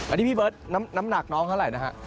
อันนี้พี่เบิร์ตน้ำหนักน้องเท่าไหร่นะฮะ